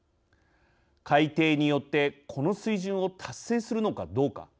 改定によってこの水準を達成するのかどうか。